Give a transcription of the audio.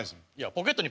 ポケットに。